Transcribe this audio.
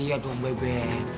iya dong bebe